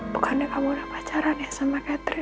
bukannya kamu udah pacaran ya sama catering